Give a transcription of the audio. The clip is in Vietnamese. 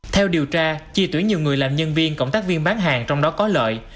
theo điều tra chi tuyển nhiều người làm nhân viên cộng tác viên bán hàng trong đó có lợi